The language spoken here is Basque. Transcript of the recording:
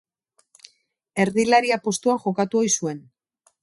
Erdilaria postuan jokatu ohi zuen.